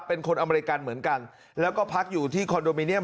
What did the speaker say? เป็นคนอเมริกันเหมือนกันแล้วก็พักอยู่ที่คอนโดมิเนียม